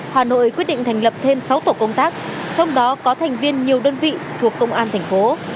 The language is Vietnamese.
hà nội quyết định thành lập thêm sáu tổ công tác trong đó có thành viên nhiều đơn vị thuộc công an thành phố